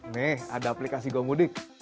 nih ada aplikasi gomudik